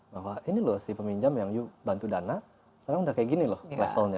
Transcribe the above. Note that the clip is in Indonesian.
bahwa ini loh si peminjam yang yuk bantu dana sekarang udah kayak gini loh levelnya